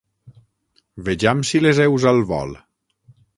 Vejam si les heus al vol!